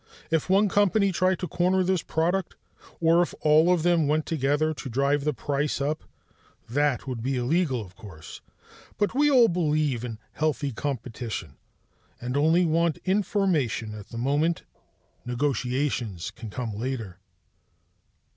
If one company tried to corner this product, or if all of them went together to drive the price up, that would be illegal, of course. But we all believe in healthy competition, and only want information at the moment. Negotiations can come later."